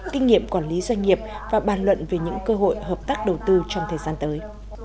kinh nghiệm quản lý doanh nghiệp và bàn luận về những cơ hội hợp tác đầu tư trong thời gian tới